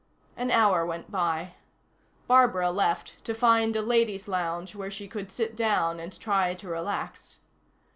An hour went by. Barbara left to find a ladies' lounge where she could sit down and try to relax.